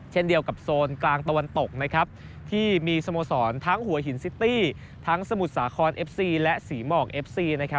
เช่นเดียวกับโซนกลางตะวันตกที่มีสโมสรทั้งหัวหินซิตี้ทั้งสมุทรสาครเอฟซีและศรีหมอกเอฟซี